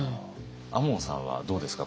亞門さんはどうですか？